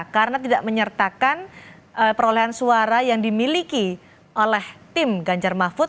karena tidak menyertakan perolehan suara yang dimiliki oleh tim ganjar mahfud